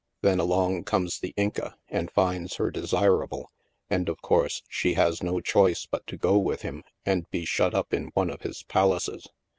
Then along comes the Inca and finds her desirable and, of course, she has no choice but to go with him and be shut up in one of his palaces.